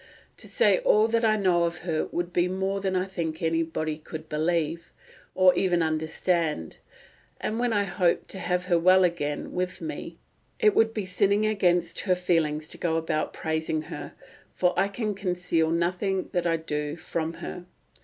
To say all that I know of her would be more than I think anybody could believe, or even understand; and when I hope to have her well again with me, it would be sinning against her feelings to go about praising her, for I can conceal nothing that I do from her.